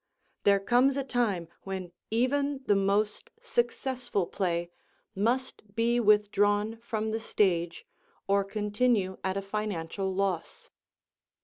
There comes a time when even the most successful play must be withdrawn from the stage or continue at a financial loss.